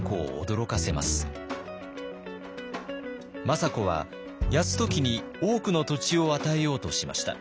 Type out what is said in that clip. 政子は泰時に多くの土地を与えようとしました。